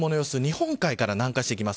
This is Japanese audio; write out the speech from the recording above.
日本海から南下してきます。